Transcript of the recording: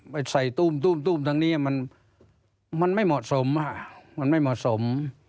ไปใส่ตู้มทั้งนี้มันไม่เหมาะสม